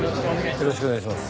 よろしくお願いします。